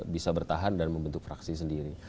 bisa bertahan dan membentuk fraksi sendiri